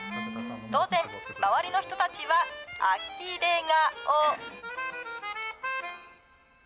当然、周りの人たちはあきれ顔。